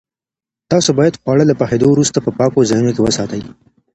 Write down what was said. تاسو باید خواړه له پخېدو وروسته په پاکو ځایونو کې وساتئ.